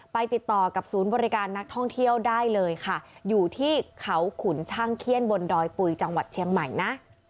ติดต่อกับศูนย์บริการนักท่องเที่ยวได้เลยค่ะอยู่ที่เขาขุนช่างเขี้ยนบนดอยปุ๋ยจังหวัดเชียงใหม่นะ